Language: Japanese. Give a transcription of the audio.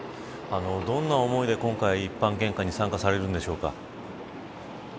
どんな思いで今回一般献花に参加されるんでしょうか。